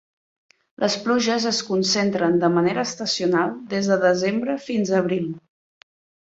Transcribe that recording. Les pluges es concentren de manera estacional des de desembre fins a abril.